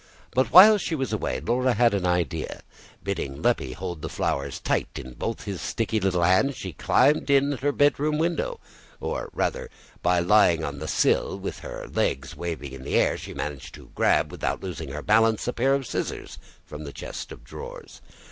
But while she was away Laura had an idea. Bidding Leppie hold the flowers tight in both his sticky little hands, she climbed in at her bedroom window, or rather, by lying on the sill with her legs waving in the air, she managed to grab, without losing her balance, a pair of scissors from the chest of drawers.